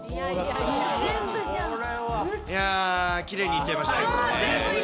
いやぁ、きれいにいっちゃいましたね、これね。